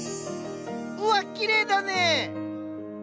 うわっきれいだねぇ！